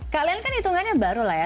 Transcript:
kalian kan hitungannya baru lah ya